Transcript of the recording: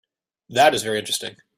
That is very interesting.